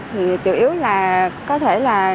thì chủ yếu là có thể là